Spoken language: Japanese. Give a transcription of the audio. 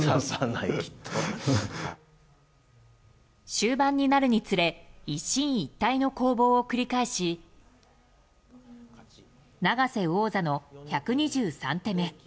終盤になるにつれ一進一退の攻防を繰り返し永瀬王座の１２３手目。